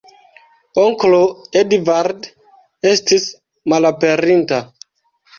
Onklo Edvard estis malaperinta.